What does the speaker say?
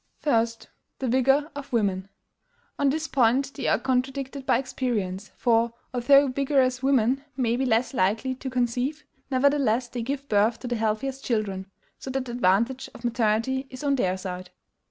1. THE VIGOR OF WOMEN. On this point they are contradicted by experience; for, although vigorous women may be less likely to conceive, nevertheless they give birth to the healthiest children; so that the advantage of maternity is on their side.